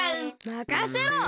まかせろ！